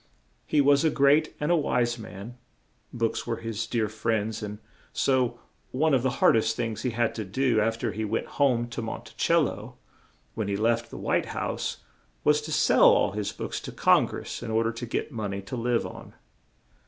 He was a great and a wise man; books were his dear friends; and so one of the hard est things he had to do, af ter he went home to Mon ti cel lo, when he left the White House, was to sell all his books to Con gress in or der to get mon ey to live on.